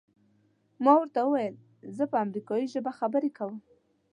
ما ورته وویل زه په امریکایي ژبه خبرې کوم.